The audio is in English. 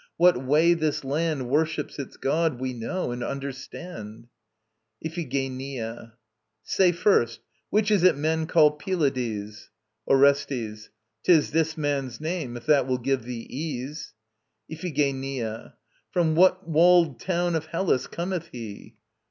What way this land Worships its god we know and understand. IPHIGENIA. Say first ... which is it men call Pylades? ORESTES. 'Tis this man's name, if that will give thee ease. IPHIGENIA. From what walled town of Hellas cometh he?